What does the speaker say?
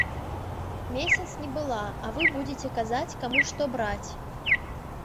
Месяц не была, а вы будзеце казаць, каму што браць.